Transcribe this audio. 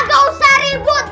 gak usah ribut